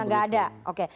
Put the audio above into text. udah nggak ada oke